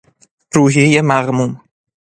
روحیهی مغموم